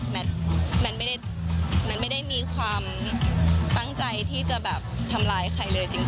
แมทไม่ได้มีความตั้งใจที่จะแบบทำร้ายใครเลยจริง